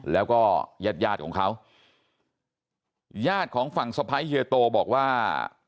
แล้วก็ญาติยาดของเขาญาติของฝั่งสะพ้ายเฮียโตบอกว่า